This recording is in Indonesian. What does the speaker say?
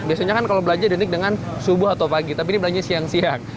ini sudah sama dengan subuh atau pagi tapi ini belanjanya siang siang